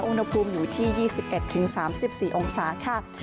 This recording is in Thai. อุณหภูมิอยู่ที่๒๑๓๔องศาค่ะ